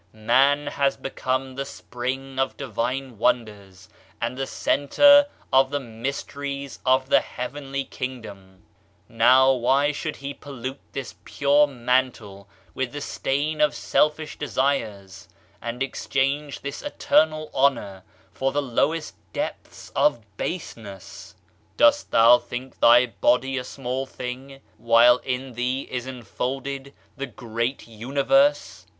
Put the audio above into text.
Man has become the spring of divine wonders and the center of the mysteries of the heavenly Kingdom. Now why should he pollute this pure mantle with the stain of selfish desires, and exchange this 26 Digitized by Google OF CIVILIZATION eternal honor for the lowest depths of baseness? "Dost thou think thy body a small thing, while in thee it enfolded the great universe?"